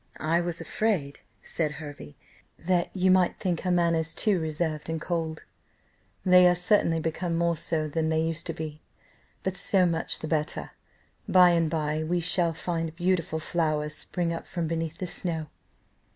'" "I was afraid," said Hervey, "that you might think her manners too reserved and cold: they are certainly become more so than they used to be. But so much the better; by and by we shall find beautiful flowers spring up from beneath the snow.